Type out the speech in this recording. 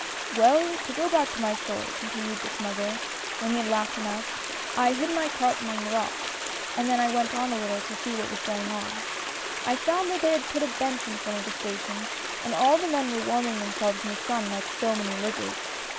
"Well, to go back to my story," continued the smuggler when he had laughed enough, "I hid my cart among the rocks, and then I went on a little to see what was going on. " I found they had put a bench in front of the station, and all the men were warming themselves in the sun like so many lizards.